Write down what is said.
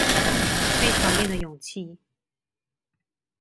被討厭的勇氣